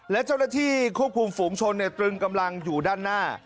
และเจ้าหน้าที่ควบคุมฝูงชนตรึงกำลังอยู่ด้านหน้า